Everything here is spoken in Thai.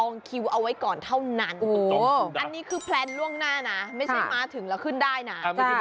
คิวเอาไว้ก่อนเท่านั้นอันนี้คือแพลนล่วงหน้านะไม่ใช่มาถึงแล้วขึ้นได้นะ